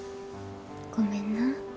ごめんな。